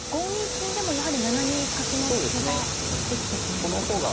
５二金でもやはり７二角の隙ができてしまいますか。